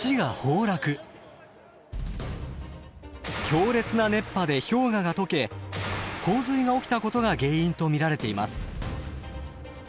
強烈な熱波で氷河が解け洪水が起きたことが原因と見られています。